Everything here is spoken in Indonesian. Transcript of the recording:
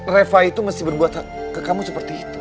reva itu mesti berbuat ke kamu seperti itu